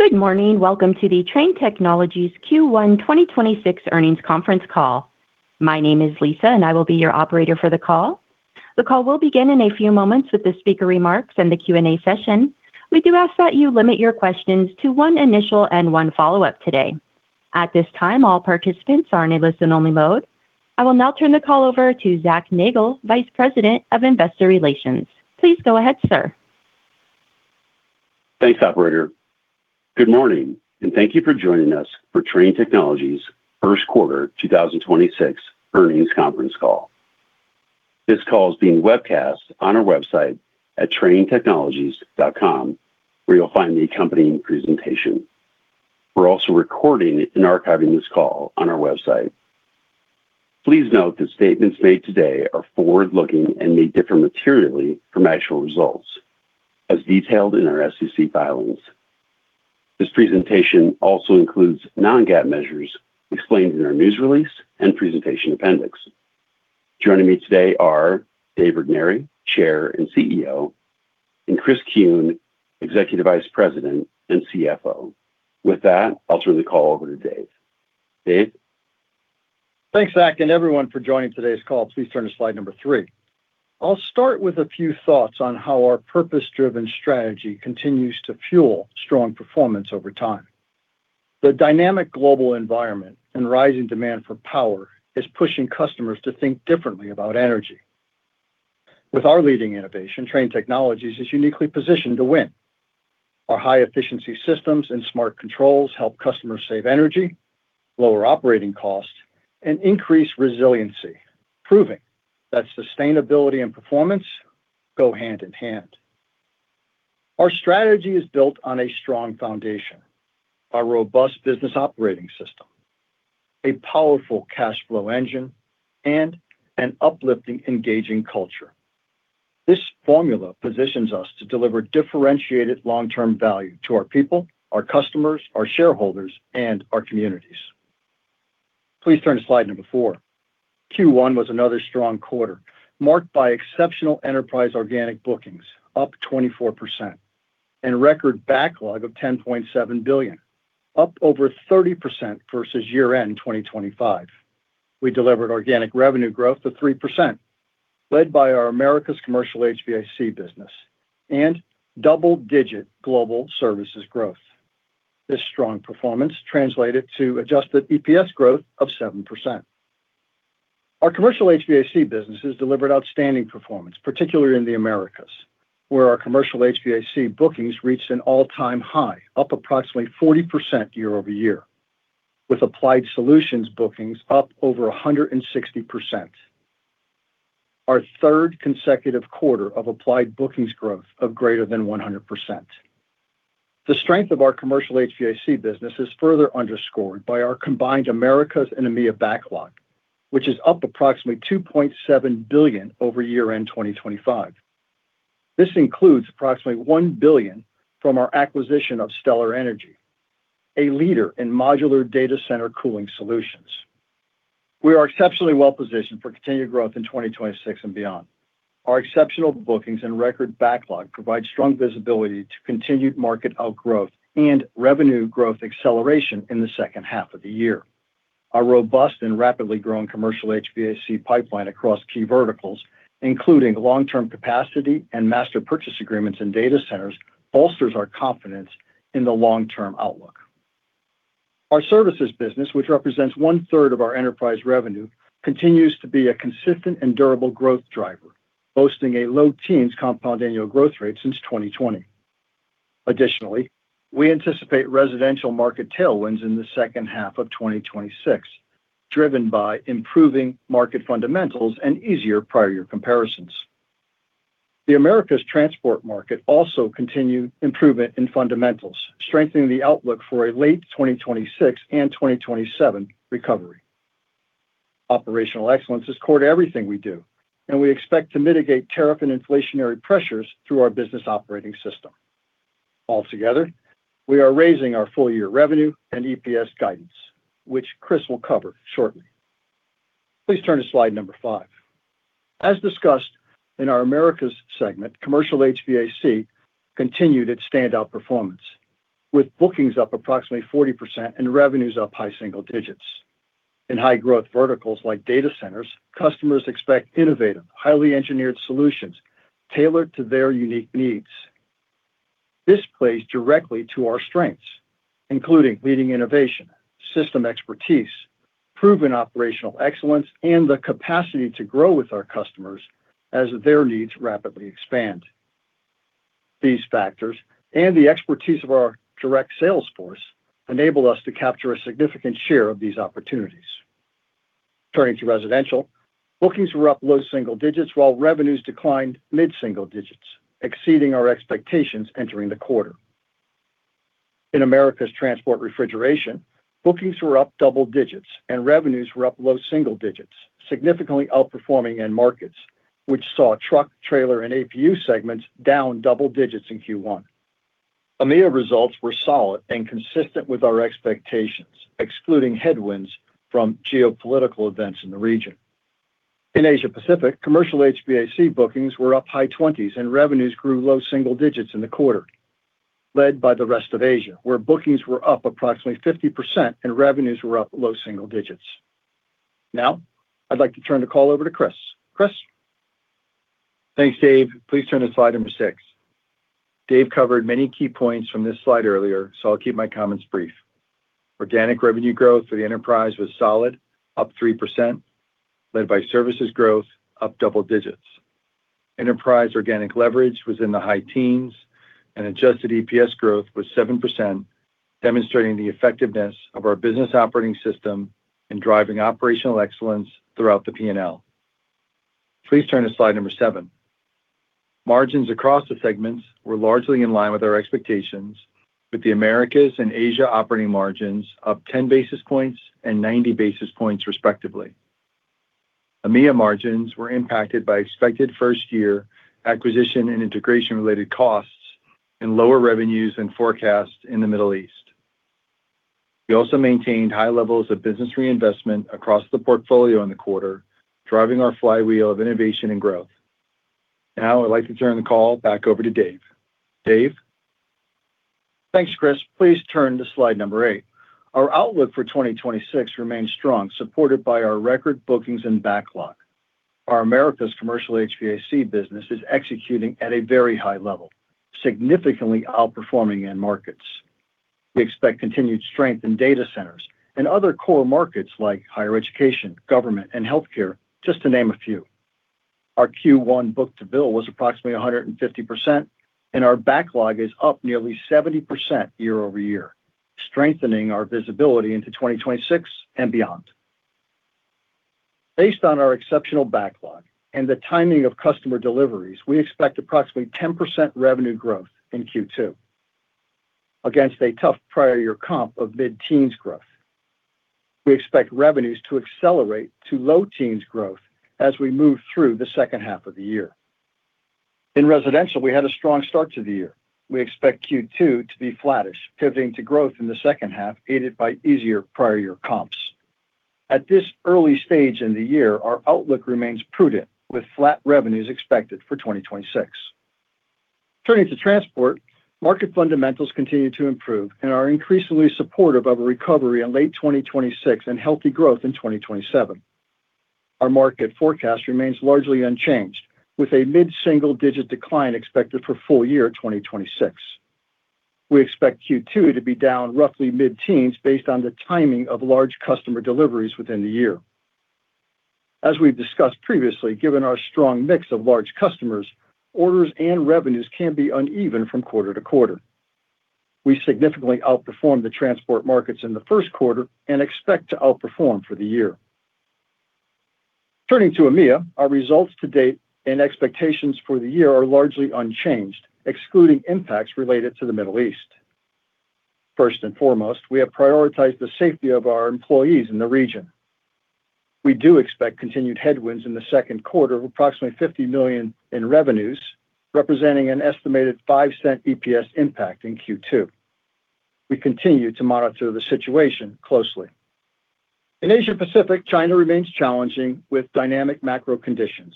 Good morning. Welcome to the Trane Technologies Q1 2026 earnings conference call. My name is Lisa, and I will be your operator for the call. The call will begin in a few moments with the speaker remarks and the Q&A session. We do ask that you limit your questions to one initial and one follow-up today. At this time, all participants are in a listen-only mode. I will now turn the call over to Zachary Nagle, Vice President of Investor Relations. Please go ahead, sir. Thanks, operator. Good morning, and thank you for joining us for Trane Technologies' first quarter 2026 earnings conference call. This call is being webcast on our website at tranetechnologies.com, where you'll find the accompanying presentation. We're also recording and archiving this call on our website. Please note that statements made today are forward-looking and may differ materially from actual results as detailed in our SEC filings. This presentation also includes non-GAAP measures explained in our news release and presentation appendix. Joining me today are Dave Regnery, Chair and CEO, and Chris Kuehn, Executive Vice President and CFO. With that, I'll turn the call over to Dave. Dave? Thanks, Zach, and everyone for joining today's call. Please turn to slide number three. I'll start with a few thoughts on how our purpose-driven strategy continues to fuel strong performance over time. The dynamic global environment and rising demand for power is pushing customers to think differently about energy. With our leading innovation, Trane Technologies is uniquely positioned to win. Our high-efficiency systems and smart controls help customers save energy, lower operating costs, and increase resiliency, proving that sustainability and performance go hand in hand. Our strategy is built on a strong foundation, a robust business operating system, a powerful cash flow engine, and an uplifting, engaging culture. This formula positions us to deliver differentiated long-term value to our people, our customers, our shareholders, and our communities. Please turn to slide number four. Q1 was another strong quarter, marked by exceptional enterprise organic bookings, up 24%, and record backlog of $10.7 billion, up over 30% versus year-end 2025. We delivered organic revenue growth of 3%, led by our Americas commercial HVAC business and double-digit global services growth. This strong performance translated to adjusted EPS growth of 7%. Our commercial HVAC businesses delivered outstanding performance, particularly in the Americas, where our commercial HVAC bookings reached an all-time high, up approximately 40% year-over-year, with Applied Solutions bookings up over 160%. Our third consecutive quarter of Applied bookings growth of greater than 100%. The strength of our commercial HVAC business is further underscored by our combined Americas and EMEA backlog, which is up approximately $2.7 billion over year-end 2025. This includes approximately $1 billion from our acquisition of Stellar Energy, a leader in modular data center cooling solutions. We are exceptionally well-positioned for continued growth in 2026 and beyond. Our exceptional bookings and record backlog provide strong visibility to continued market outgrowth and revenue growth acceleration in the second half of the year. Our robust and rapidly growing commercial HVAC pipeline across key verticals, including long-term capacity and master purchase agreements in data centers, bolsters our confidence in the long-term outlook. Our services business, which represents one-third of our enterprise revenue, continues to be a consistent and durable growth driver, boasting a low teens compound annual growth rate since 2020. Additionally, we anticipate residential market tailwinds in the second half of 2026, driven by improving market fundamentals and easier prior year comparisons. The Americas transport market also continued improvement in fundamentals, strengthening the outlook for a late 2026 and 2027 recovery. Operational excellence is core to everything we do, and we expect to mitigate tariff and inflationary pressures through our business operating system. Altogether, we are raising our full-year revenue and EPS guidance, which Chris will cover shortly. Please turn to slide number five. As discussed in our Americas segment, commercial HVAC continued its standout performance, with bookings up approximately 40% and revenues up high single digits. In high-growth verticals like data centers, customers expect innovative, highly engineered solutions tailored to their unique needs. This plays directly to our strengths, including leading innovation, system expertise, proven operational excellence, and the capacity to grow with our customers as their needs rapidly expand. These factors and the expertise of our direct sales force enable us to capture a significant share of these opportunities. Turning to residential, bookings were up low single digits while revenues declined mid-single digits, exceeding our expectations entering the quarter. In Americas transport refrigeration, bookings were up double digits and revenues were up low single digits, significantly outperforming end markets, which saw truck, trailer, and APU segments down double digits in Q1. EMEA results were solid and consistent with our expectations, excluding headwinds from geopolitical events in the region. In Asia-Pacific, commercial HVAC bookings were up high 20%s, and revenues grew low single digits in the quarter, led by the rest of Asia, where bookings were up approximately 50% and revenues were up low single digits. Now, I'd like to turn the call over to Chris. Chris? Thanks, Dave. Please turn to slide six. Dave covered many key points from this slide earlier, so I'll keep my comments brief. Organic revenue growth for the enterprise was solid, up 3%, led by services growth up double digits. Enterprise organic leverage was in the high teens, and adjusted EPS growth was 7%, demonstrating the effectiveness of our business operating system in driving operational excellence throughout the P&L. Please turn to slide seven. Margins across the segments were largely in line with our expectations, with the Americas and Asia operating margins up 10 basis points and 90 basis points respectively. EMEA margins were impacted by expected first-year acquisition and integration-related costs and lower revenues and forecasts in the Middle East. We also maintained high levels of business reinvestment across the portfolio in the quarter, driving our flywheel of innovation and growth. Now I'd like to turn the call back over to Dave. Dave? Thanks, Chris. Please turn to slide number eight. Our outlook for 2026 remains strong, supported by our record bookings and backlog. Our America's commercial HVAC business is executing at a very high level, significantly outperforming end markets. We expect continued strength in data centers and other core markets like higher education, government, and healthcare, just to name a few. Our Q1 book to bill was approximately 150%, and our backlog is up nearly 70% year-over-year, strengthening our visibility into 2026 and beyond. Based on our exceptional backlog and the timing of customer deliveries, we expect approximately 10% revenue growth in Q2 against a tough prior year comp of mid-teens growth. We expect revenues to accelerate to low teens growth as we move through the second half of the year. In residential, we had a strong start to the year. We expect Q2 to be flattish, pivoting to growth in the second half, aided by easier prior year comps. At this early stage in the year, our outlook remains prudent, with flat revenues expected for 2026. Turning to transport, market fundamentals continue to improve and are increasingly supportive of a recovery in late 2026 and healthy growth in 2027. Our market forecast remains largely unchanged, with a mid-single-digit decline expected for full year 2026. We expect Q2 to be down roughly mid-teens based on the timing of large customer deliveries within the year. As we've discussed previously, given our strong mix of large customers, orders and revenues can be uneven from quarter to quarter. We significantly outperformed the transport markets in the first quarter and expect to outperform for the year. Turning to EMEA, our results to date and expectations for the year are largely unchanged, excluding impacts related to the Middle East. First and foremost, we have prioritized the safety of our employees in the region. We do expect continued headwinds in the second quarter of approximately $50 million in revenues, representing an estimated $0.05 EPS impact in Q2. We continue to monitor the situation closely. In Asia-Pacific, China remains challenging with dynamic macro conditions.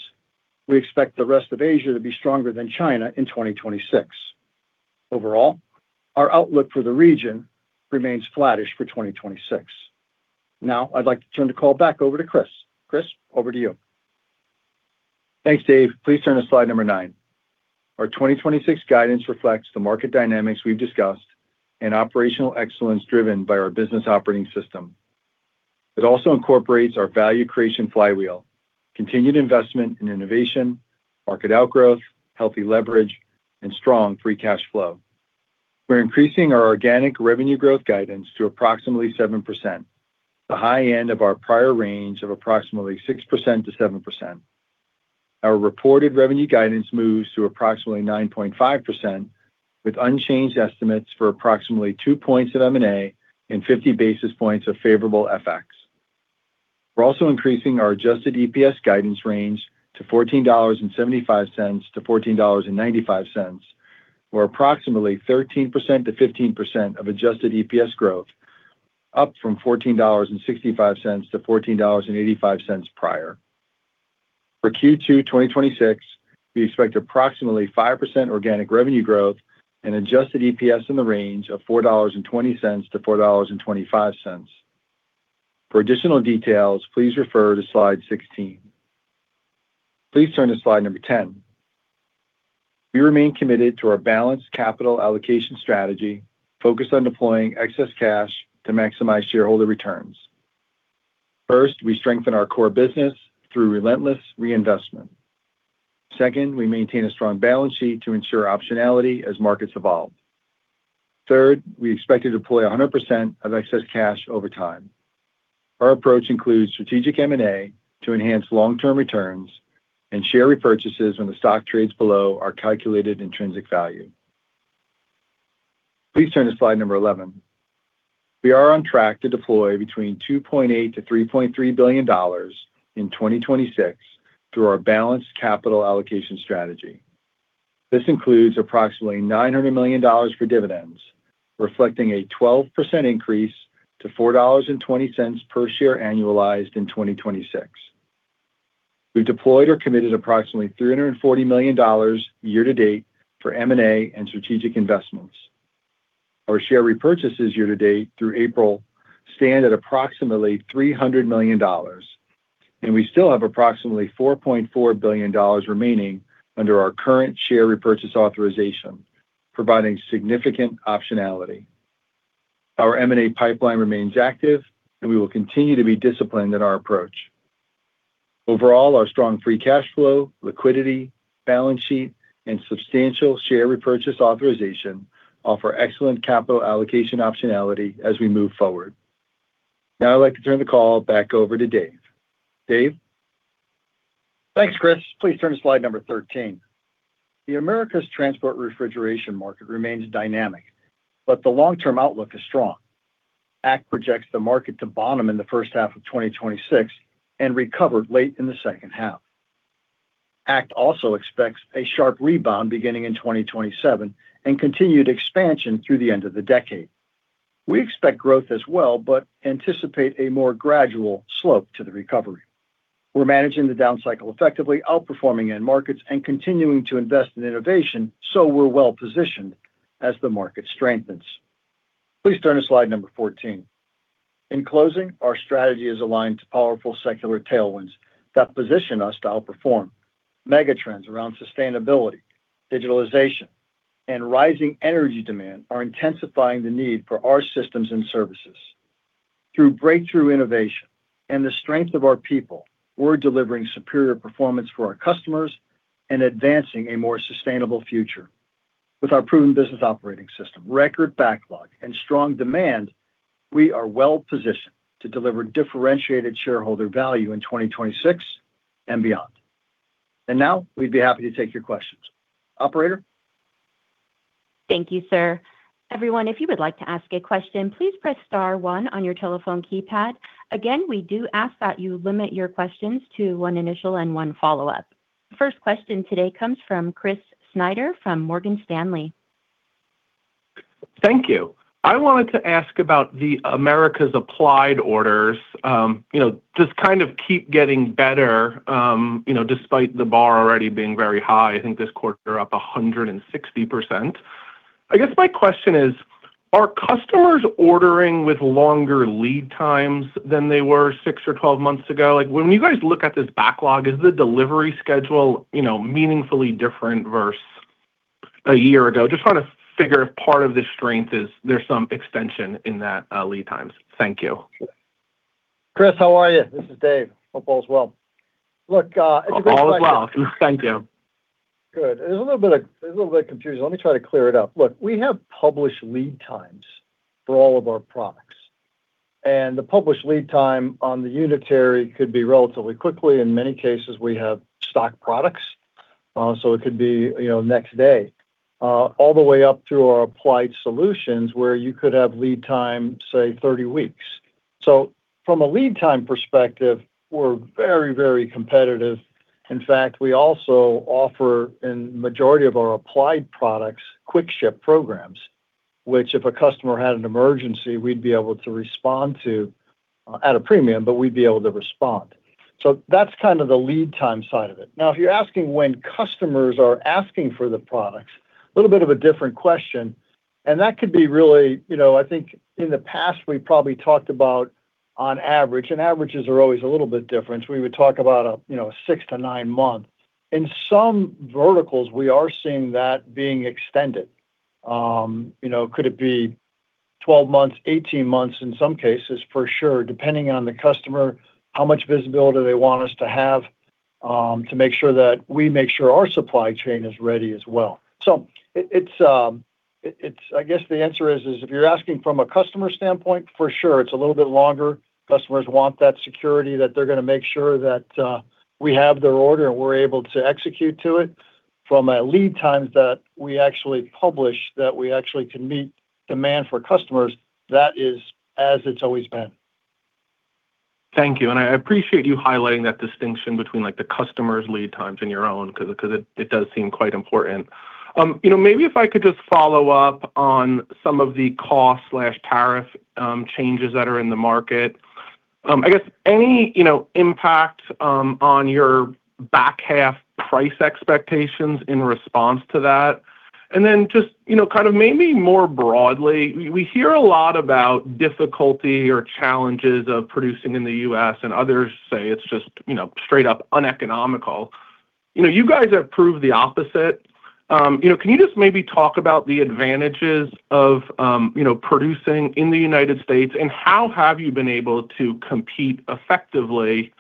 We expect the rest of Asia to be stronger than China in 2026. Overall, our outlook for the region remains flattish for 2026. I'd like to turn the call back over to Chris. Chris, over to you. Thanks, Dave. Please turn to slide number nine. Our 2026 guidance reflects the market dynamics we've discussed and operational excellence driven by our business operating system. It also incorporates our value creation flywheel, continued investment in innovation, market outgrowth, healthy leverage, and strong free cash flow. We're increasing our organic revenue growth guidance to approximately 7%, the high end of our prior range of approximately 6%-7%. Our reported revenue guidance moves to approximately 9.5%, with unchanged estimates for approximately two points of M&A and 50 basis points of favorable FX. We're also increasing our adjusted EPS guidance range to $14.75-$14.95, or approximately 13%-15% of adjusted EPS growth, up from $14.65-$14.85 prior. For Q2 2026, we expect approximately 5% organic revenue growth and adjusted EPS in the range of $4.20-$4.25. For additional details, please refer to slide 16. Please turn to slide number 10. We remain committed to our balanced capital allocation strategy focused on deploying excess cash to maximize shareholder returns. First, we strengthen our core business through relentless reinvestment. Second, we maintain a strong balance sheet to ensure optionality as markets evolve. Third, we expect to deploy 100% of excess cash over time. Our approach includes strategic M&A to enhance long-term returns and share repurchases when the stock trades below our calculated intrinsic value. Please turn to slide number 11. We are on track to deploy between $2.8-3.3 billion in 2026 through our balanced capital allocation strategy. This includes approximately $900 million for dividends, reflecting a 12% increase to $4.20 per share annualized in 2026. We've deployed or committed approximately $340 million year to date for M&A and strategic investments. Our share repurchases year to date through April stand at approximately $300 million, and we still have approximately $4.4 billion remaining under our current share repurchase authorization, providing significant optionality. Our M&A pipeline remains active, and we will continue to be disciplined in our approach. Overall, our strong free cash flow, liquidity, balance sheet, and substantial share repurchase authorization offer excellent capital allocation optionality as we move forward. Now I'd like to turn the call back over to Dave. Dave? Thanks, Chris. Please turn to slide number 13. The Americas transport refrigeration market remains dynamic, but the long-term outlook is strong. ACT projects the market to bottom in the first half of 2026 and recover late in the second half. ACT also expects a sharp rebound beginning in 2027 and continued expansion through the end of the decade. We expect growth as well, but anticipate a more gradual slope to the recovery. We're managing the down cycle effectively, outperforming end markets, and continuing to invest in innovation, so we're well-positioned as the market strengthens. Please turn to slide number 14. In closing, our strategy is aligned to powerful secular tailwinds that position us to outperform. Megatrends around sustainability, digitalization, and rising energy demand are intensifying the need for our systems and services. Through breakthrough innovation and the strength of our people, we're delivering superior performance for our customers and advancing a more sustainable future. With our proven business operating system, record backlog, and strong demand, we are well-positioned to deliver differentiated shareholder value in 2026 and beyond. Now, we'd be happy to take your questions. Operator? Thank you, sir. Everyone, if you would like to ask a question, please press star one on your telephone keypad. Again, we do ask that you limit your questions to one initial and one follow-up. First question today comes from Chris Snyder from Morgan Stanley. Thank you. I wanted to ask about the Americas Applied orders. You know, just kind of keep getting better, you know, despite the bar already being very high. I think this quarter up 160%. I guess my question is, are customers ordering with longer lead times than they were six or 12 months ago? Like, when you guys look at this backlog, is the delivery schedule, you know, meaningfully different versus a year ago? Just trying to figure if part of the strength is there's some extension in that lead times. Thank you. Chris, how are you? This is Dave. Hope all is well. Look. All is well. Thank you. Good. There's a little bit of confusion. Let me try to clear it up. Look, we have published lead times for all of our products. The published lead time on the unitary could be relatively quickly. In many cases, we have stock products, you know, next day, all the way up through our Applied Solutions where you could have lead time, say, 30 weeks. From a lead time perspective, we're very, very competitive. In fact, we also offer, in majority of our Applied Products, quick ship programs, which if a customer had an emergency, we'd be able to respond to at a premium, we'd be able to respond. That's kind of the lead time side of it. If you're asking when customers are asking for the products, a little bit of a different question, and that could be really, you know, I think in the past, we probably talked about on average, and averages are always a little bit different. We would talk about, you know, six to nine months. In some verticals, we are seeing that being extended. You know, could it be 12 months, 18 months in some cases? For sure. Depending on the customer, how much visibility they want us to have, to make sure that our supply chain is ready as well. I guess the answer is if you're asking from a customer standpoint, for sure, it's a little bit longer. Customers want that security that they're gonna make sure that we have their order and we're able to execute to it. From a lead times that we actually publish, that we actually can meet demand for customers, that is as it's always been. Thank you. I appreciate you highlighting that distinction between, like, the customer's lead times and your own because it does seem quite important. You know, maybe if I could just follow up on some of the cost/tariff changes that are in the market. I guess any, you know, impact on your back half price expectations in response to that? Then just, you know, kind of maybe more broadly, we hear a lot about difficulty or challenges of producing in the U.S. and others say it's just, you know, straight up uneconomical. You know, you guys have proved the opposite. You know, can you just maybe talk about the advantages of, you know, producing in the United States and how have you been able to compete effectively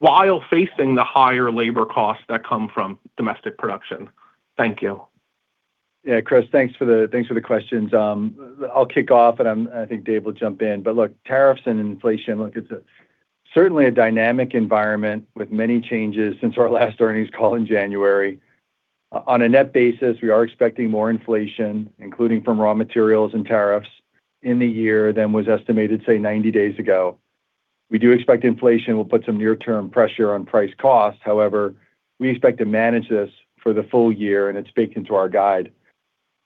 while facing the higher labor costs that come from domestic production? Thank you. Yeah, Chris, thanks for the, thanks for the questions. I'll kick off and I think Dave will jump in. Look, tariffs and inflation, look, it's certainly a dynamic environment with many changes since our last earnings call in January. On a net basis, we are expecting more inflation, including from raw materials and tariffs in the year than was estimated, say, 90 days ago. We do expect inflation will put some near-term pressure on price cost. We expect to manage this for the full year, and it's baked into our guide.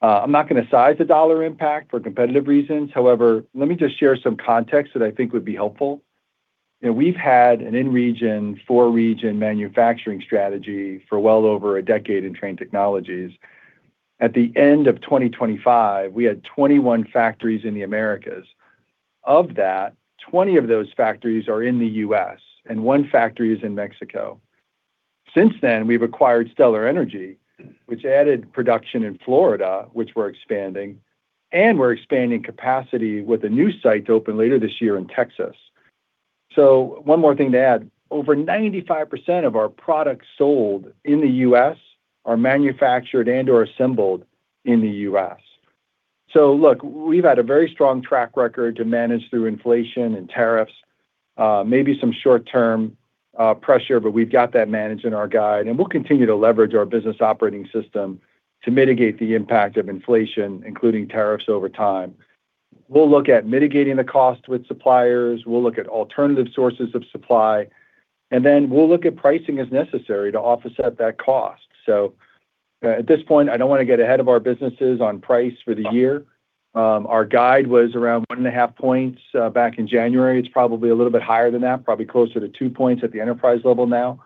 I'm not gonna size the dollar impact for competitive reasons. Let me just share some context that I think would be helpful. You know, we've had an in-region, for-region manufacturing strategy for well over a decade in Trane Technologies. At the end of 2025, we had 21 factories in the Americas. Of that, 20 of those factories are in the U.S., and one factory is in Mexico. Since then, we've acquired Stellar Energy, which added production in Florida, which we're expanding, and we're expanding capacity with a new site to open later this year in Texas. One more thing to add. Over 95% of our products sold in the U.S. are manufactured and/or assembled in the U.S. Look, we've had a very strong track record to manage through inflation and tariffs. Maybe some short-term pressure, but we've got that managed in our guide, and we'll continue to leverage our business operating system to mitigate the impact of inflation, including tariffs over time. We'll look at mitigating the cost with suppliers. We'll look at alternative sources of supply, and then we'll look at pricing as necessary to offset that cost. At this point, I don't wanna get ahead of our businesses on price for the year. Our guide was around 1.5 points back in January. It's probably a little bit higher than that, probably closer to two points at the enterprise level now.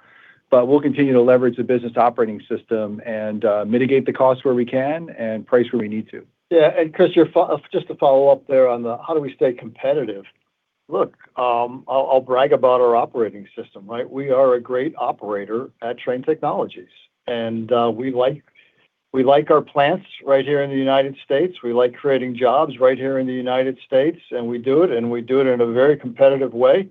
We'll continue to leverage the business operating system and mitigate the cost where we can and price where we need to. Chris, just to follow up there on the how do we stay competitive, look, I'll brag about our operating system, right? We are a great operator at Trane Technologies, we like our plants right here in the United States. We like creating jobs right here in the United States, and we do it in a very competitive way.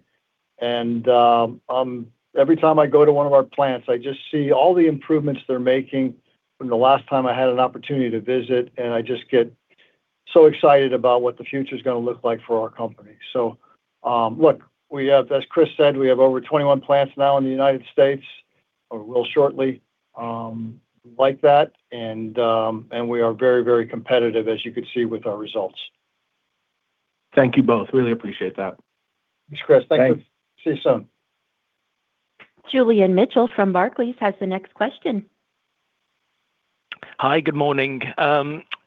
Every time I go to one of our plants, I just see all the improvements they're making from the last time I had an opportunity to visit, and I just get so excited about what the future's gonna look like for our company. Look, we have, as Chris said, we have over 21 plants now in the United States or will shortly, like that, and we are very, very competitive as you can see with our results. Thank you both. Really appreciate that. Thanks, Chris. Thanks. See you soon. Julian Mitchell from Barclays has the next question. Hi. Good morning.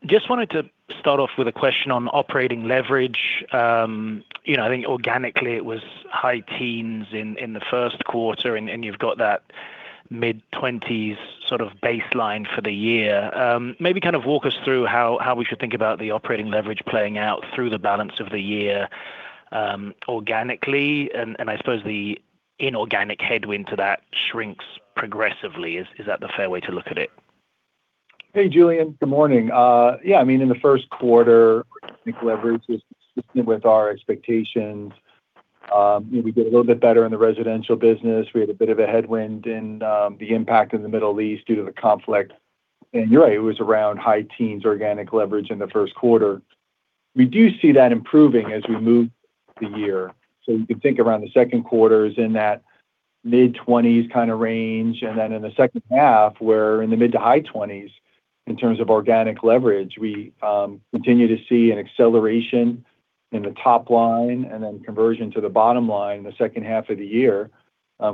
Just wanted to start off with a question on operating leverage. You know, I think organically it was high teens in the first quarter, and you've got that mid-20s sort of baseline for the year. Maybe kind of walk us through how we should think about the operating leverage playing out through the balance of the year, organically and I suppose the inorganic headwind to that shrinks progressively. Is that the fair way to look at it? Hey, Julian. Good morning. Yeah, I mean, in the first quarter, I think leverage is consistent with our expectations. You know, we did a little bit better in the residential business. We had a bit of a headwind in the impact in the Middle East due to the conflict. You're right, it was around high teens organic leverage in the first quarter. We do see that improving as we move the year. You can think around the second quarter is in that mid-20s kind of range, then in the second half, we're in the mid- to high-20s in terms of organic leverage. We continue to see an acceleration in the top line then conversion to the bottom line in the second half of the year,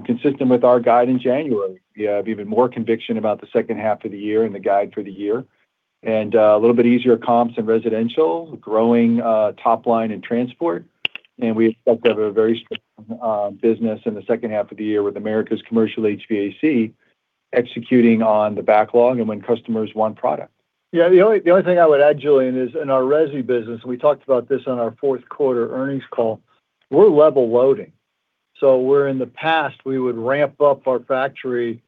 consistent with our guide in January. We have even more conviction about the second half of the year and the guide for the year and a little bit easier comps in residential, growing top line in transport, and we expect to have a very strong business in the second half of the year with America's commercial HVAC executing on the backlog and when customers want product. Yeah, the only, the only thing I would add, Julian, is in our resi business, we talked about this on our fourth quarter earnings call, we're level loading. Where in the past we would ramp up our factory,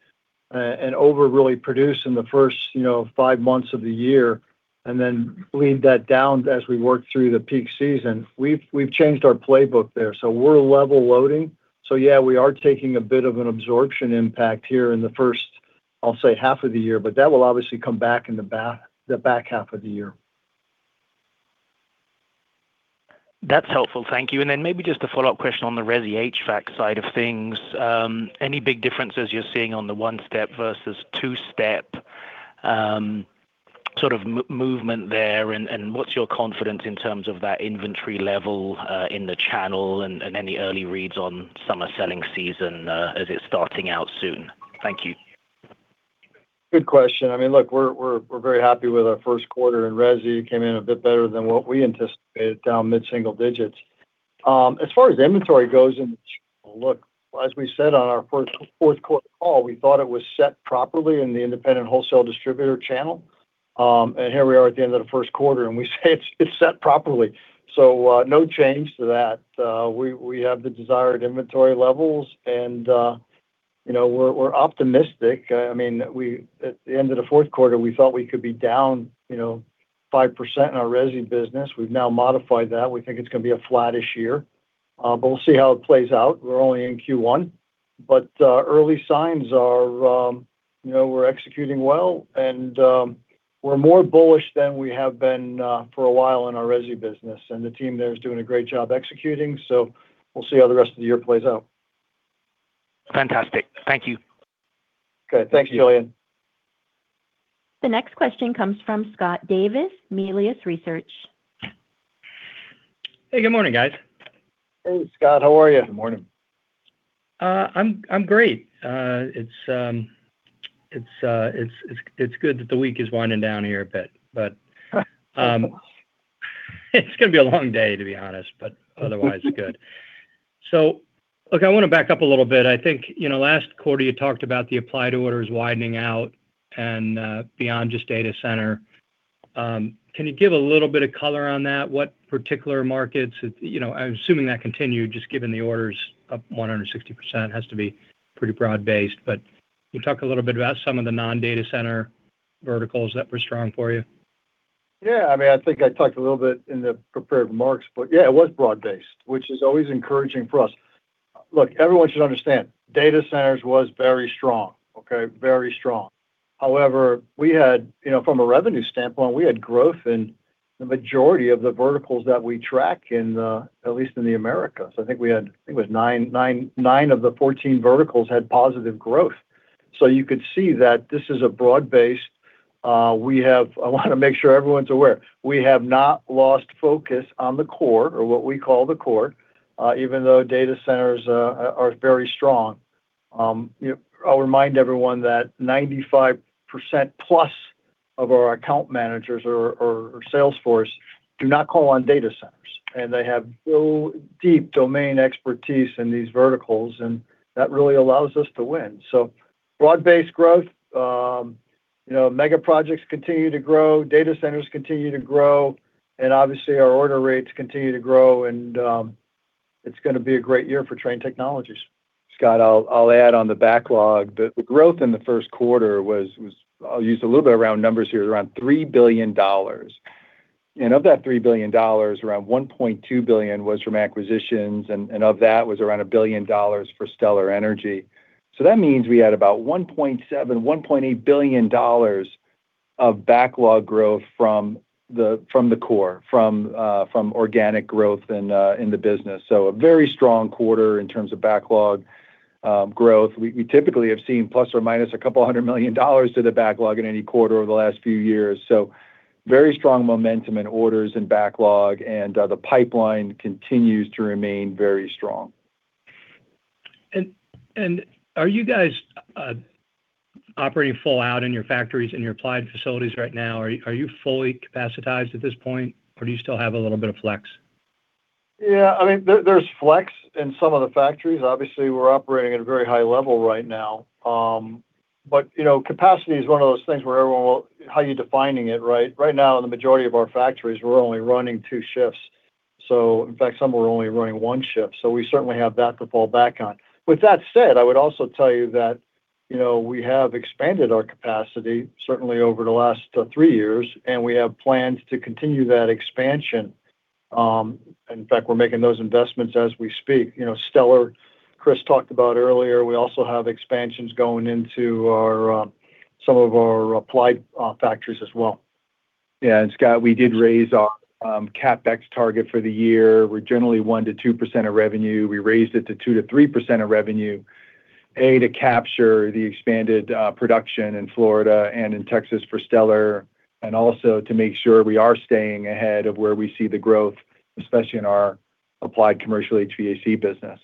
and over really produce in the first, you know, five months of the year and then bleed that down as we work through the peak season, we've changed our playbook there. We're level loading. Yeah, we are taking a bit of an absorption impact here in the first, I'll say, half of the year, but that will obviously come back in the back half of the year. That's helpful. Thank you. Then maybe just a follow-up question on the resi HVAC side of things. Any big differences you're seeing on the one-step versus two-step, sort of movement there, and what's your confidence in terms of that inventory level in the channel and any early reads on summer selling season as it's starting out soon? Thank you. Good question. I mean, look, we're very happy with our first quarter, and resi came in a bit better than what we anticipated, down mid-single digits. As far as inventory goes in the channel, look, as we said on our first fourth quarter call, we thought it was set properly in the independent wholesale distributor channel. Here we are at the end of the first quarter, and we say it's set properly. No change to that. We have the desired inventory levels, and, you know, we're optimistic. I mean, at the end of the fourth quarter, we felt we could be down, you know, 5% in our resi business. We've now modified that. We think it's gonna be a flattish year, but we'll see how it plays out. We're only in Q1, early signs are, you know, we're executing well, we're more bullish than we have been for a while in our resi business. The team there is doing a great job executing, we'll see how the rest of the year plays out. Fantastic. Thank you. Okay. Thanks, Julian. The next question comes from Scott Davis, Melius Research. Hey, good morning, guys. Hey, Scott. How are you? Good morning. I'm great. It's good that the week is winding down here a bit, but it's gonna be a long day, to be honest, but otherwise good. Look, I wanna back up a little bit. I think, you know, last quarter you talked about the Applied Solutions orders widening out and beyond just data center. Can you give a little bit of color on that? What particular markets? You know, I'm assuming that continued just given the orders up 160% has to be pretty broad based. Can you talk a little bit about some of the non-data center verticals that were strong for you? Yeah, I mean, I think I talked a little bit in the prepared remarks, but yeah, it was broad-based, which is always encouraging for us. Look, everyone should understand, data centers was very strong, okay. Very strong. We had, you know, from a revenue standpoint, we had growth in the majority of the verticals that we track in the, at least in the Americas. I think we had, I think it was nine of the 14 verticals had positive growth. You could see that this is a broad-based. We have, I want to make sure everyone's aware, we have not lost focus on the core or what we call the core, even though data centers are very strong. You know, I'll remind everyone that 95% plus of our account managers or sales force do not call on data centers, and they have real deep domain expertise in these verticals, and that really allows us to win. Broad-based growth, you know, mega projects continue to grow, data centers continue to grow, and obviously, our order rates continue to grow and, it's gonna be a great year for Trane Technologies. Scott, I'll add on the backlog. The growth in the 1st quarter was, I'll use a little bit of round numbers here, around $3 billion. Of that $3 billion, around $1.2 billion was from acquisitions, and of that was around $1 billion for Stellar Energy. That means we had about $1.7-1.8 billion of backlog growth from the core, from organic growth in the business. A very strong quarter in terms of backlog growth. We typically have seen ±$200 million to the backlog in any quarter over the last few years. Very strong momentum and orders in backlog, and the pipeline continues to remain very strong. Are you guys operating full out in your factories, in your applied facilities right now? Are you fully capacitized at this point, or do you still have a little bit of flex? Yeah, I mean, there's flex in some of the factories. Obviously, we're operating at a very high level right now. You know, capacity is one of those things where everyone will, "How are you defining it?" Right? Right now, in the majority of our factories, we're only running two shifts. In fact, some are only running one shift. We certainly have that to fall back on. With that said, I would also tell you that, you know, we have expanded our capacity, certainly over the last three years. We have plans to continue that expansion. In fact, we're making those investments as we speak. You know, Stellar, Chris talked about earlier, we also have expansions going into our some of our Applied factories as well. Yeah, Scott, we did raise our CapEx target for the year. We're generally 1%-2% of revenue. We raised it to 2%-3% of revenue, A, to capture the expanded production in Florida and in Texas for Stellar, and also to make sure we are staying ahead of where we see the growth, especially in our applied commercial HVAC business.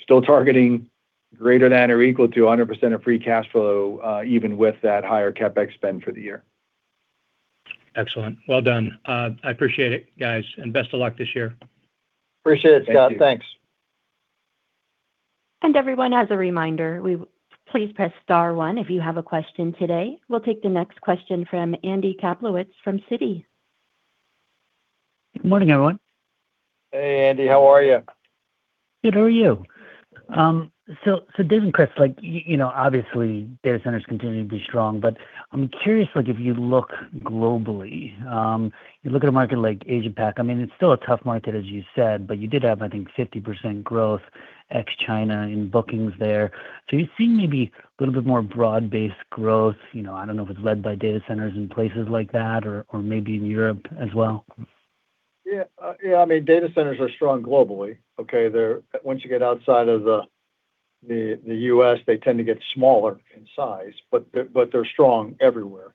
Still targeting greater than or equal to 100% of free cash flow, even with that higher CapEx spend for the year. Excellent. Well done. I appreciate it, guys, and best of luck this year. Appreciate it, Scott. Thank you. Thanks. Everyone, as a reminder, we please press star one if you have a question today. We'll take the next question from Andy Kaplowitz from Citi. Good morning, everyone. Hey, Andy. How are you? Good. How are you? Dave and Chris, you know, obviously, data centers continue to be strong. I'm curious, like, if you look globally, you look at a market like Asia Pac, I mean, it's still a tough market, as you said, but you did have, I think, 50% growth ex China in bookings there. Do you see maybe a little bit more broad-based growth, you know, I don't know if it's led by data centers in places like that or maybe in Europe as well? I mean, data centers are strong globally, okay? Once you get outside of the U.S., they tend to get smaller in size, but they're strong everywhere.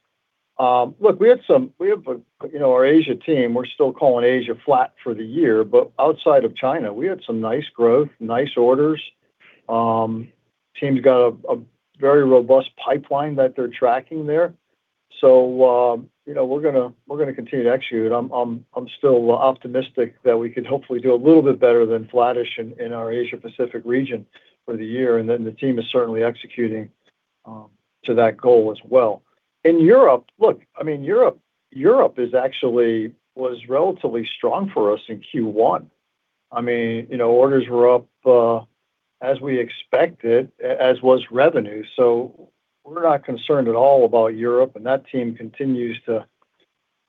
Look, we have a, you know, our Asia team, we're still calling Asia flat for the year. Outside of China, we had some nice growth, nice orders. Team's got a very robust pipeline that they're tracking there. You know, we're gonna continue to execute. I'm still optimistic that we can hopefully do a little bit better than flattish in our Asia Pacific region for the year, the team is certainly executing to that goal as well. In Europe, look, I mean, Europe is actually, was relatively strong for us in Q1. I mean, you know, orders were up, as we expected, as was revenue. We're not concerned at all about Europe, and that team continues to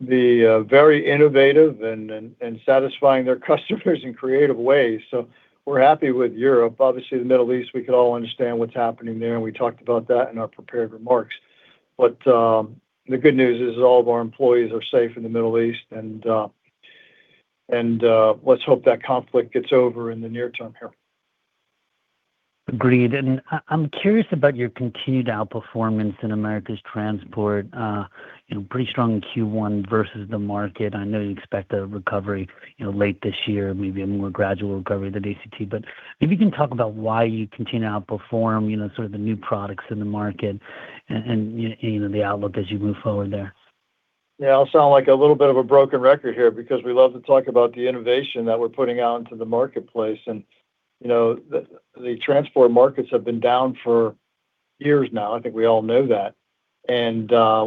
be very innovative and satisfying their customers in creative ways. We're happy with Europe. Obviously, the Middle East, we could all understand what's happening there, and we talked about that in our prepared remarks. The good news is all of our employees are safe in the Middle East, and let's hope that conflict gets over in the near term here. Agreed. I'm curious about your continued outperformance in America's transport. You know, pretty strong in Q1 versus the market. I know you expect a recovery, you know, late this year, maybe a more gradual recovery than ACT. If you can talk about why you continue to outperform, you know, sort of the new products in the market and, you know, the outlook as you move forward there. Yeah. I'll sound like a little bit of a broken record here because we love to talk about the innovation that we're putting out into the marketplace. You know, the transport markets have been down for years now. I think we all know that.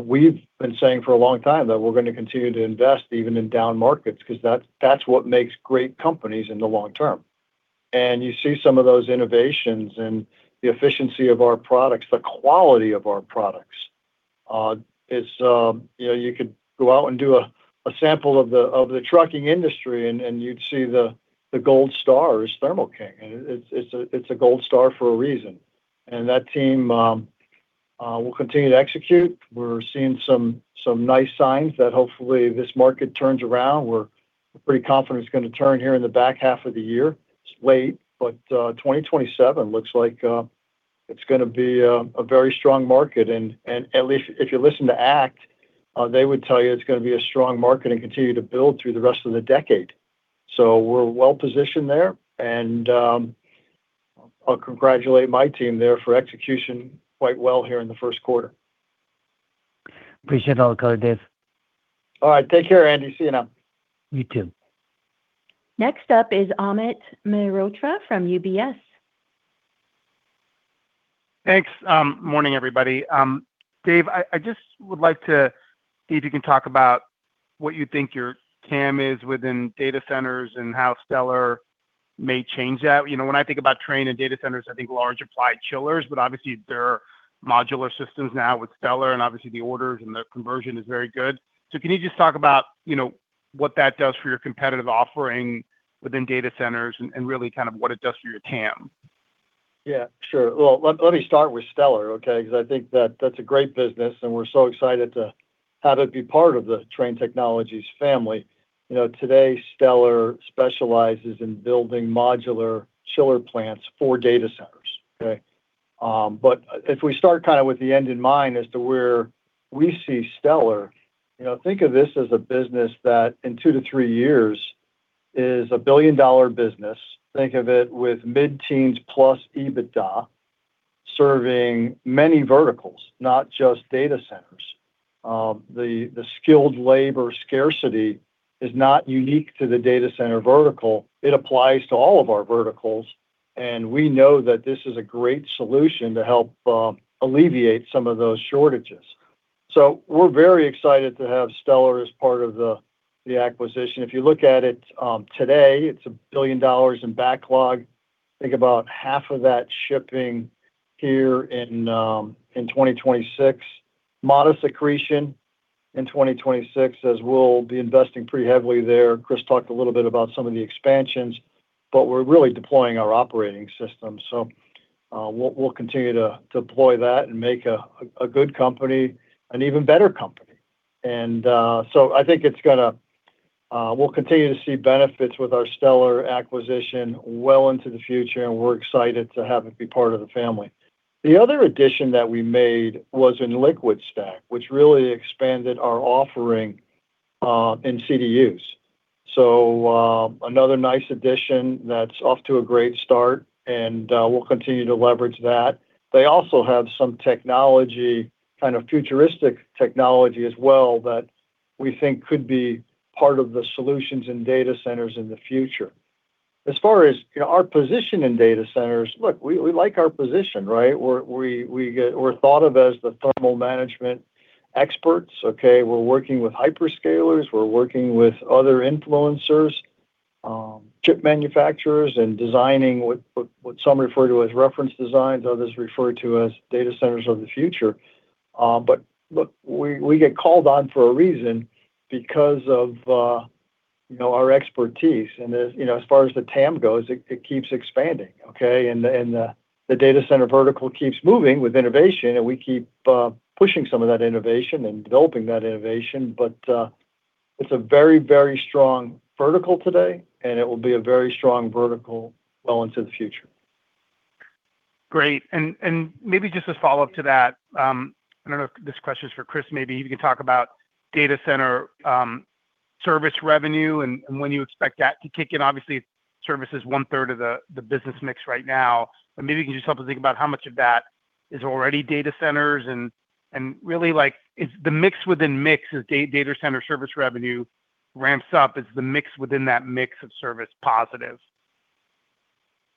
We've been saying for a long time that we're gonna continue to invest even in down markets 'cause that's what makes great companies in the long term. You see some of those innovations and the efficiency of our products, the quality of our products. It's, you know, you could go out and do a sample of the trucking industry and you'd see the gold star is Thermo King. It's a gold star for a reason. That team will continue to execute. We're seeing some nice signs that hopefully this market turns around. We're pretty confident it's gonna turn here in the back half of the year. It's late, but 2027 looks like it's gonna be a very strong market. At least if you listen to ACT, they would tell you it's gonna be a strong market and continue to build through the rest of the decade. We're well-positioned there, and I'll congratulate my team there for execution quite well here in the first quarter. Appreciate all the color, Dave. All right. Take care, Andy. See you now. You too. Next up is Amit Mehrotra from UBS. Thanks. Morning, everybody. Dave, I just would like to see if you can talk about what you think your TAM is within data centers and how Stellar may change that. You know, when I think about Trane and data centers, I think large applied chillers, but obviously there are modular systems now with Stellar, and obviously the orders and the conversion is very good. Can you just talk about, you know, what that does for your competitive offering within data centers and really kind of what it does for your TAM? Yeah. Sure. Well, let me start with Stellar, okay? I think that that's a great business, and we're so excited to have it be part of the Trane Technologies family. You know, today, Stellar specializes in building modular chiller plants for data centers. Okay? If we start kind of with the end in mind as to where we see Stellar, you know, think of this as a business that in two to three years is a $1 billion business. Think of it with mid-teensn plus EBITDA serving many verticals, not just data centers. The skilled labor scarcity is not unique to the data center vertical. It applies to all of our verticals, and we know that this is a great solution to help alleviate some of those shortages. We're very excited to have Stellar as part of the acquisition. You look at it, today, it's $1 billion in backlog. Think about half of that shipping here in 2026. Modest accretion in 2026 as we'll be investing pretty heavily there. Chris talked a little bit about some of the expansions, but we're really deploying our operating system. We'll continue to deploy that and make a good company an even better company. I think we'll continue to see benefits with our Stellar acquisition well into the future, and we're excited to have it be part of the family. The other addition that we made was in LiquidStack, which really expanded our offering in CDUs. Another nice addition that's off to a great start, we'll continue to leverage that. They also have some technology, kind of futuristic technology as well that we think could be part of the solutions in data centers in the future. As far as, you know, our position in data centers, look, we like our position, right? We're thought of as the thermal management experts. Okay? We're working with hyperscalers. We're working with other influencers, chip manufacturers and designing what some refer to as reference designs, others refer to as data centers of the future. Look, we get called on for a reason because of, you know, our expertise. As, you know, as far as the TAM goes, it keeps expanding, okay? The data center vertical keeps moving with innovation, and we keep pushing some of that innovation and developing that innovation. It's a very, very strong vertical today, and it will be a very strong vertical well into the future. Great. Maybe just a follow-up to that. I don't know if this question is for Chris. Maybe you can talk about data center, service revenue and when you expect that to kick in. Obviously, service is one-third of the business mix right now. Maybe you can just help us think about how much of that is already data centers and really, like, is the mix within mix as data center service revenue ramps up, is the mix within that mix of service positive?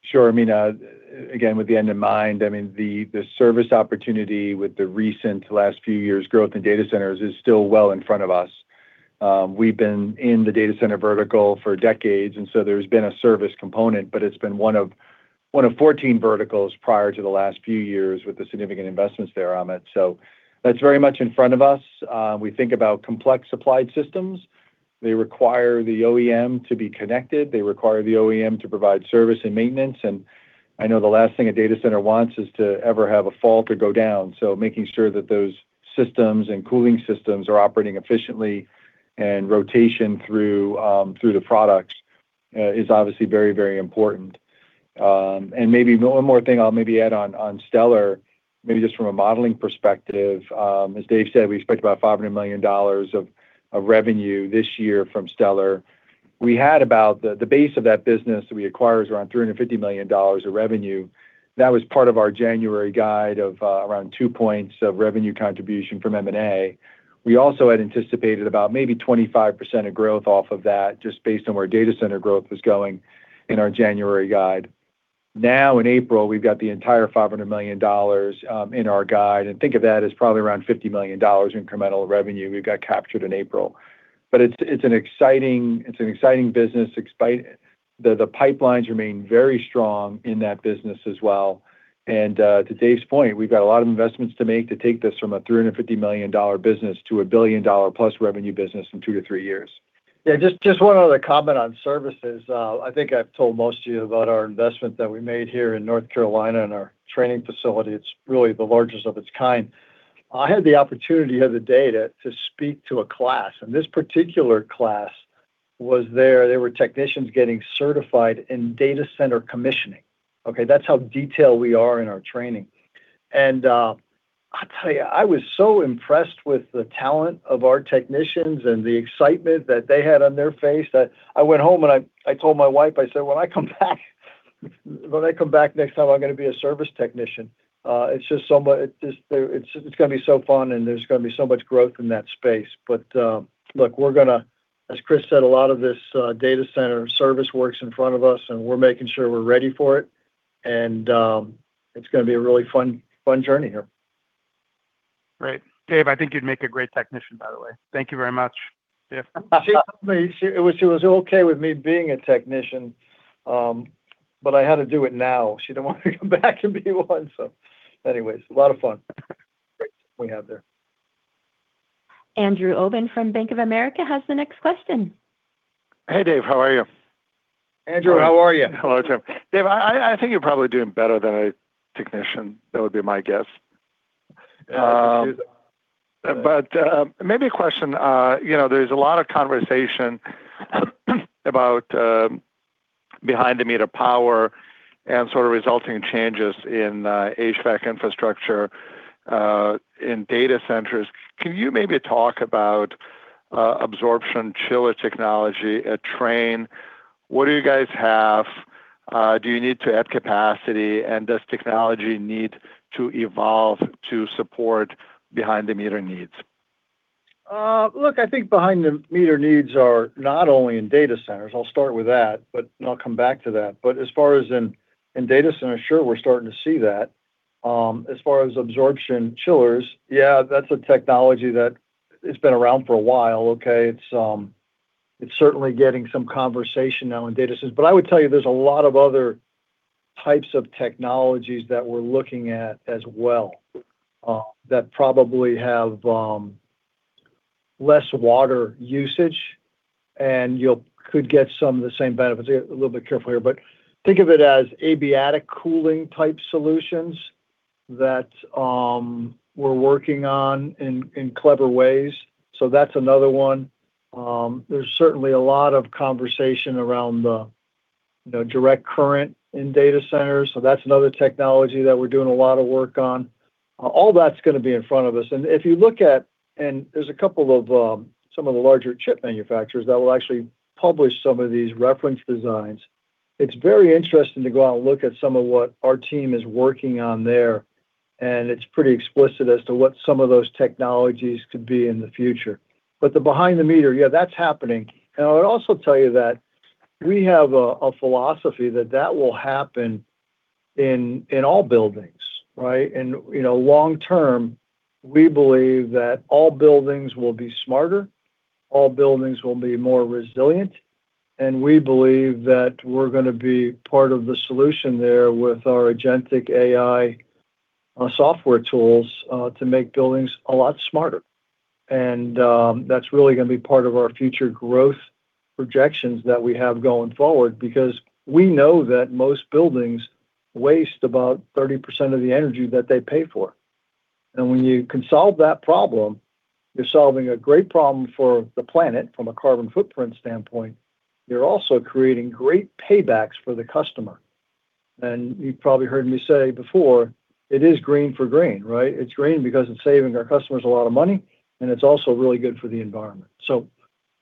Sure. I mean, again, with the end in mind, I mean, the service opportunity with the recent last few years' growth in data centers is still well in front of us. We've been in the data center vertical for decades, and so there's been a service component, but it's been one of 14 verticals prior to the last few years with the significant investments there, Amit. That's very much in front of us. We think about complex applied systems. They require the OEM to be connected. They require the OEM to provide service and maintenance. I know the last thing a data center wants is to ever have a fault or go down. Making sure that those systems and cooling systems are operating efficiently. Rotation through the products, is obviously very, very important. Maybe one more thing I'll maybe add on Stellar, maybe just from a modeling perspective, as Dave said, we expect about $500 million of revenue this year from Stellar. The base of that business we acquired was around $350 million of revenue. That was part of our January guide of around two points of revenue contribution from M&A. We also had anticipated about maybe 25% of growth off of that, just based on where data center growth was going in our January guide. In April, we've got the entire $500 million in our guide, and think of that as probably around $50 million incremental revenue we've got captured in April. It's an exciting business. The pipelines remain very strong in that business as well. To Dave Regnery's point, we've got a lot of investments to make to take this from a $350 million business to a $1 billion plus revenue business in two to three years. Just one other comment on services. I think I've told most of you about our investment that we made here in North Carolina in our training facility. It's really the largest of its kind. I had the opportunity the other day to speak to a class, this particular class was there. They were technicians getting certified in data center commissioning, okay. That's how detailed we are in our training. I tell you, I was so impressed with the talent of our technicians and the excitement that they had on their face that I went home and I told my wife, I said, "When I come back next time, I'm gonna be a service technician." It's just gonna be so fun, there's gonna be so much growth in that space. Look, we're gonna, as Chris said, a lot of this data center service works in front of us, and we're making sure we're ready for it and, it's gonna be a really fun journey here. Great. Dave, I think you'd make a great technician, by the way. Thank you very much. Yeah. She was okay with me being a technician, I had to do it now. She didn't want me to come back and be one. Anyways, a lot of fun. Great team we have there. Andrew Obin from Bank of America has the next question. Hey, Dave. How are you? Andrew, how are you? Hello, Dave. Dave, I think you're probably doing better than a technician. That would be my guess. Maybe a question. You know, there's a lot of conversation about behind the meter power and sort of resulting changes in HVAC infrastructure in data centers. Can you maybe talk about absorption chiller technology at Trane? What do you guys have? Do you need to add capacity? Does technology need to evolve to support behind the meter needs? Look, I think behind the meter needs are not only in data centers. I'll start with that, but I'll come back to that. As far as in data centers, sure, we're starting to see that. As far as absorption chillers, yeah, that's a technology that it's been around for a while. It's, it's certainly getting some conversation now in data centers. I would tell you there's a lot of other types of technologies that we're looking at as well, that probably have, less water usage, and you'll could get some of the same benefits. A little bit careful here, but think of it as adiabatic cooling type solutions that, we're working on in clever ways, so that's another one. There's certainly a lot of conversation around the, you know, direct current in data centers, so that's another technology that we're doing a lot of work on. All that's gonna be in front of us. If you look at, and there's a couple of, some of the larger chip manufacturers that will actually publish some of these reference designs. It's very interesting to go out and look at some of what our team is working on there, and it's pretty explicit as to what some of those technologies could be in the future. The behind the meter, yeah, that's happening. I would also tell you that we have a philosophy that that will happen in all buildings, right? You know, long-term, we believe that all buildings will be smarter, all buildings will be more resilient, and we believe that we're gonna be part of the solution there with our agentic AI software tools to make buildings a lot smarter. That's really gonna be part of our future growth projections that we have going forward because we know that most buildings waste about 30% of the energy that they pay for. When you can solve that problem, you're solving a great problem for the planet from a carbon footprint standpoint. You're also creating great paybacks for the customer. You've probably heard me say before, it is green for green, right? It's green because it's saving our customers a lot of money, and it's also really good for the environment.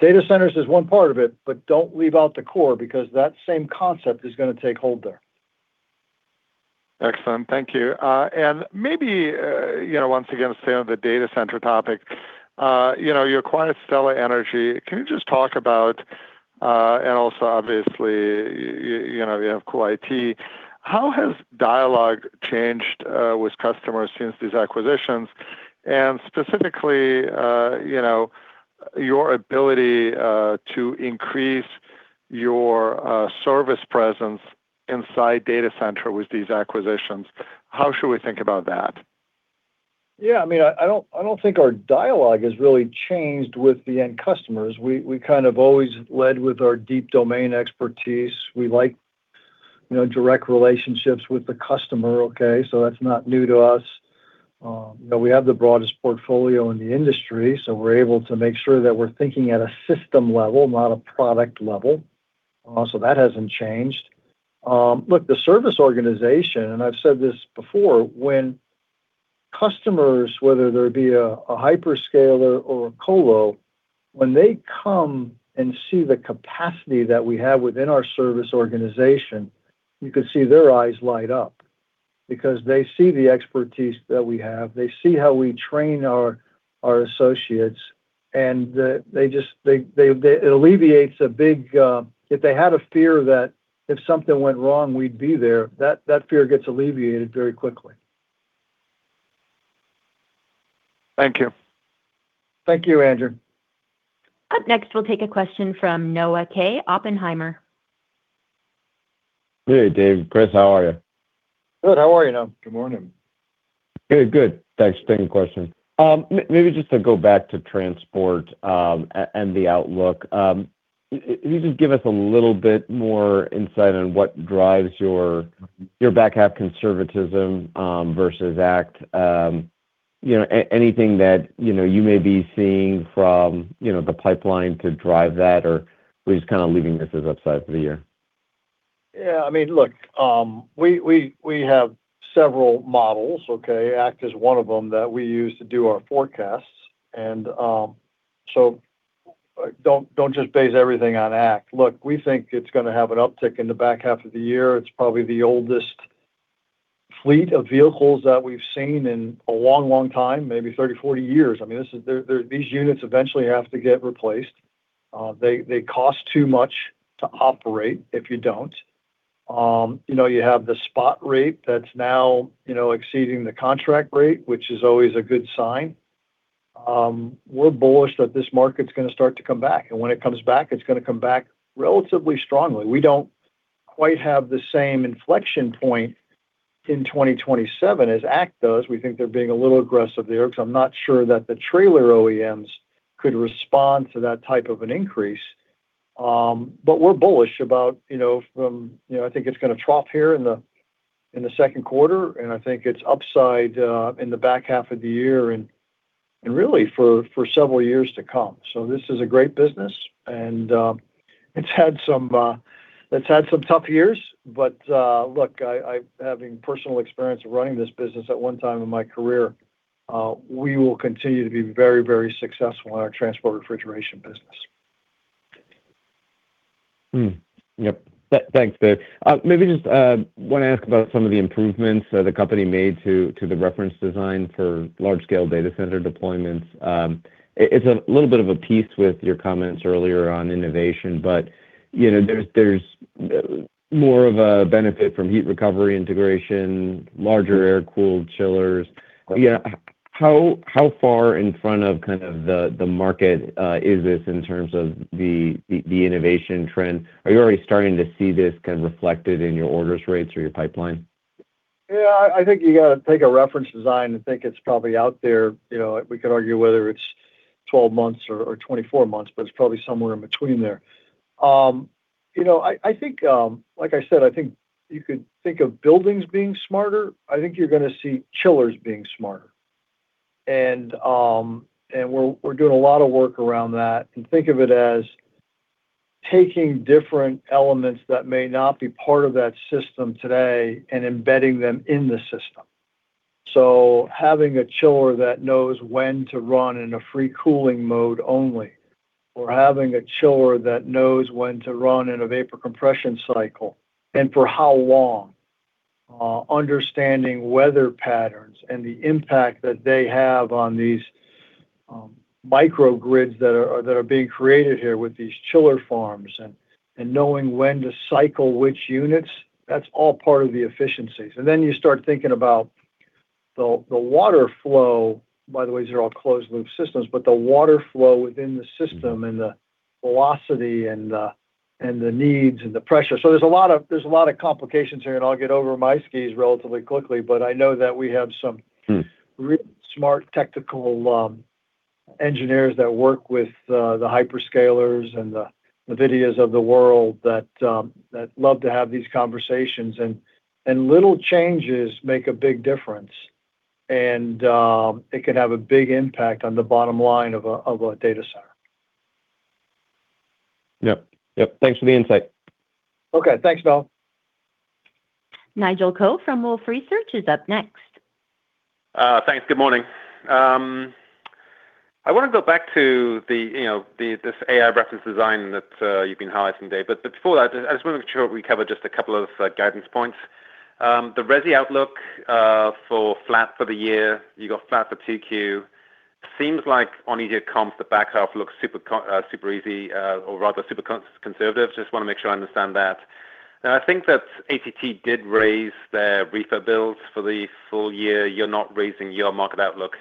Data centers is one part of it, but don't leave out the core because that same concept is gonna take hold there. Excellent. Thank you. And maybe, you know, once again, staying on the data center topic, you know, you acquired Stellar Energy. Can you just talk about, and also obviously, you know, you have CoolIT, how has dialogue changed with customers since these acquisitions? Specifically, you know, your ability to increase your service presence inside data center with these acquisitions, how should we think about that? Yeah, I mean, I don't think our dialogue has really changed with the end customers. We kind of always led with our deep domain expertise. You know, direct relationships with the customer, okay? That's not new to us. You know, we have the broadest portfolio in the industry, we're able to make sure that we're thinking at a system level, not a product level. That hasn't changed. Look, the service organization, and I've said this before, when customers, whether they're via a hyperscaler or a colo, when they come and see the capacity that we have within our service organization, you can see their eyes light up because they see the expertise that we have. They see how we train our associates, it alleviates a big. If they had a fear that if something went wrong, we'd be there, that fear gets alleviated very quickly. Thank you. Thank you, Andrew. Up next we'll take a question from Noah Kaye, Oppenheimer. Hey, Dave and Chris. How are you? Good. How are you, Noah? Good morning. Good, good. Thanks. Same question. Maybe just to go back to transport and the outlook. Can you just give us a little bit more insight on what drives your back half conservatism versus ACT? You know, anything that, you know, you may be seeing from, you know, the pipeline to drive that or at least kind of leaving this as upside for the year? I mean, look, we have several models, okay? ACT is one of them that we use to do our forecasts, and don't just base everything on ACT. Look, we think it's gonna have an uptick in the back half of the year. It's probably the oldest fleet of vehicles that we've seen in a long, long time, maybe 30, 40 years. I mean, these units eventually have to get replaced. They cost too much to operate if you don't. You know, you have the spot rate that's now, you know, exceeding the contract rate, which is always a good sign. We're bullish that this market's gonna start to come back, and when it comes back, it's gonna come back relatively strongly. We don't quite have the same inflection point in 2027 as ACT does. We think they're being a little aggressive there, 'cause I'm not sure that the trailer OEMs could respond to that type of an increase. We're bullish about, you know, from, you know, I think it's gonna trough here in the second quarter, and I think it's upside in the back half of the year and really for several years to come. This is a great business, and it's had some tough years. Look, I, having personal experience of running this business at one time in my career, we will continue to be very, very successful in our transport refrigeration business. Thanks, Dave. Maybe just wanna ask about some of the improvements the company made to the reference design for large scale data center deployments. It's a little bit of a piece with your comments earlier on innovation, but, you know, there's more of a benefit from heat recovery integration, larger air-cooled chillers. You know, how far in front of kind of the market is this in terms of the innovation trend? Are you already starting to see this kind of reflected in your orders rates or your pipeline? Yeah, I think you gotta take a reference design and think it's probably out there, you know, we could argue whether it's 12 months or 24 months, but it's probably somewhere in between there. You know, I think, like I said, I think you could think of buildings being smarter. I think you're gonna see chillers being smarter. We're doing a lot of work around that, and think of it as taking different elements that may not be part of that system today and embedding them in the system. Having a chiller that knows when to run in a free cooling mode only, or having a chiller that knows when to run in a vapor compression cycle and for how long. Understanding weather patterns and the impact that they have on these microgrids that are being created here with these chiller farms and knowing when to cycle which units, that's all part of the efficiencies. Then you start thinking about the water flow. By the way, these are all closed loop systems. The water flow within the system. Mm-hmm... and the velocity and the, and the needs and the pressure. There's a lot of complications here, and I'll get over my skis relatively quickly, but I know that we have some- Hmm really smart technical engineers that work with the hyperscalers and the NVIDIA's of the world that love to have these conversations and little changes make a big difference, and it can have a big impact on the bottom line of a data center. Yep. Yep. Thanks for the insight. Okay. Thanks, Noah. Nigel Coe from Wolfe Research is up next. Thanks. Good morning. I want to go back to the, you know, the, this AI reference design that you've been highlighting, Dave. Before that, I just wanna make sure we cover just a couple of guidance points. The resi outlook for flat for the year, you got flat for 2Q. Seems like on easier comps, the back half looks super easy, or rather super conservative. Just wanna make sure I understand that. I think that ACT Research did raise their reefer builds for the full year. You're not raising your market outlook,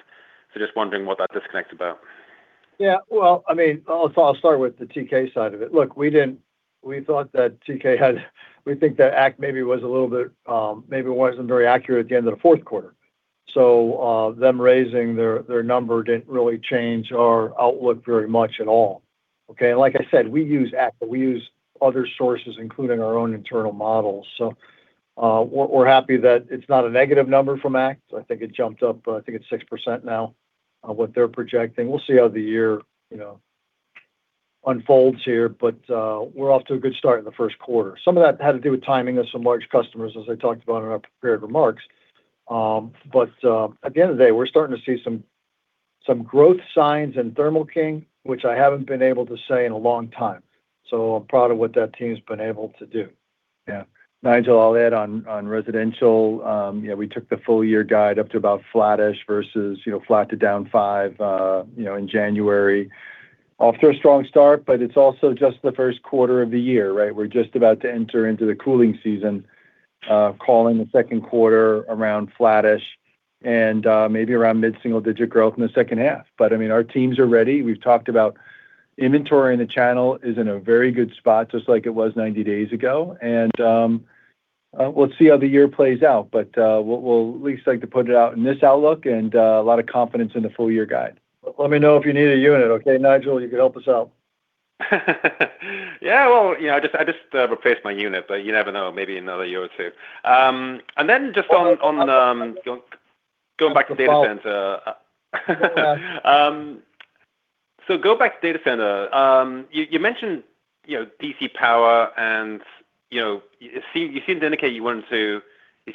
so just wondering what that disconnect's about. Yeah. Well, I mean, I'll start with the TK side of it. Look, we thought that TK had. We think that ACT maybe was a little bit, maybe wasn't very accurate at the end of the fourth quarter. Them raising their number didn't really change our outlook very much at all. Okay. Like I said, we use ACT, but we use other sources, including our own internal models. We're happy that it's not a negative number from ACT. I think it jumped up, I think it's 6% now on what they're projecting. We'll see how the year, you know, unfolds here, but we're off to a good start in the first quarter. Some of that had to do with timing of some large customers, as I talked about in our prepared remarks. At the end of the day, we're starting to see some growth signs in Thermo King, which I haven't been able to say in a long time. I'm proud of what that team's been able to do. Yeah. Nigel, I'll add on residential, yeah, we took the full year guide up to about flattish versus, you know, flat to down five, you know, in January. Off to a strong start, it's also just the 1st quarter of the year, right? We're just about to enter into the cooling season, calling the second quarter around flattish and, maybe around mid-single-digit growth in the second half. I mean, our teams are ready. We've talked about inventory in the channel is in a very good spot, just like it was 90 days ago. We'll see how the year plays out. We'll at least like to put it out in this outlook and, a lot of confidence in the full-year guide. Let me know if you need a unit, okay, Nigel? You could help us out. Yeah, well, you know, I just replaced my unit, you never know, maybe another year or two. Just on going back to data center. Go back to data center. You mentioned, you know, DC power, you know, you seemed to indicate You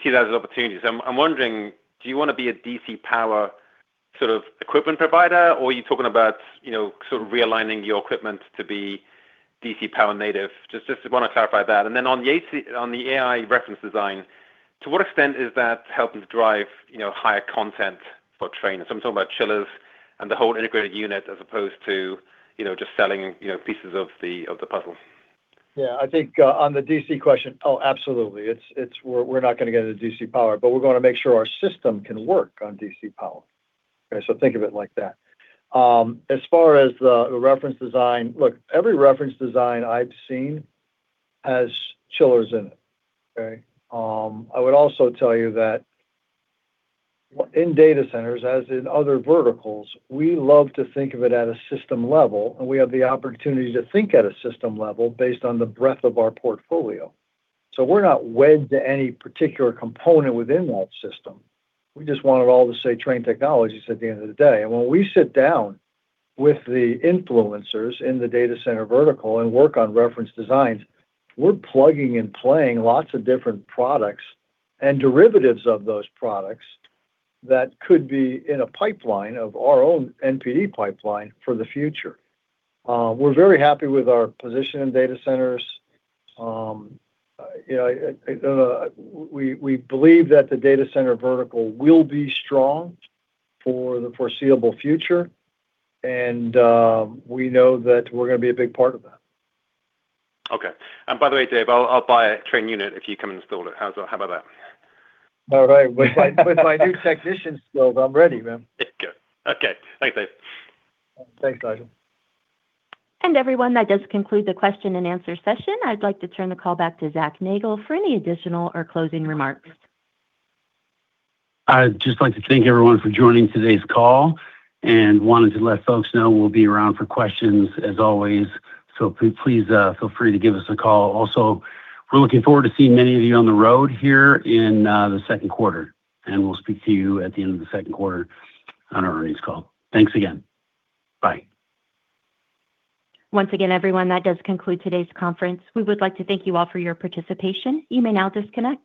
see that as an opportunity. I'm wondering, do you wanna be a DC power sort of equipment provider, or are you talking about, you know, sort of realigning your equipment to be DC power native? Just wanna clarify that. On the AI reference design, to what extent is that helping to drive, you know, higher content for Trane? I'm talking about chillers and the whole integrated unit as opposed to, you know, just selling, you know, pieces of the puzzle. Yeah. I think, on the DC question, absolutely. We're not gonna get into DC power, but we're gonna make sure our system can work on DC power. Okay. Think of it like that. As far as the reference design, look, every reference design I've seen has chillers in it. Okay. I would also tell you that in data centers, as in other verticals, we love to think of it at a system level, and we have the opportunity to think at a system level based on the breadth of our portfolio. We're not wed to any particular component within that system. We just want it all to say Trane Technologies at the end of the day. When we sit down with the influencers in the data center vertical and work on reference designs, we're plugging and playing lots of different products and derivatives of those products that could be in a pipeline of our own NPD pipeline for the future. We're very happy with our position in data centers. You know, we believe that the data center vertical will be strong for the foreseeable future, and we know that we're gonna be a big part of that. Okay. By the way, Dave, I'll buy a Trane unit if you come and install it. How's that? How about that? All right. With my new technician skills, I'm ready, man. Good. Okay. Thanks, Dave. Thanks, Nigel. Everyone, that does conclude the question and answer session. I'd like to turn the call back to Zachary Nagle for any additional or closing remarks. I'd just like to thank everyone for joining today's call, and wanted to let folks know we'll be around for questions, as always. Please feel free to give us a call. Also, we're looking forward to seeing many of you on the road here in the second quarter, and we'll speak to you at the end of the second quarter on our earnings call. Thanks again. Bye. Once again, everyone, that does conclude today's conference. We would like to thank you all for your participation. You may now disconnect.